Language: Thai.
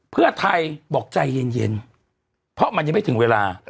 เพื่อไทยบอกใจเย็นเพราะมันยังไม่ถึงเวลา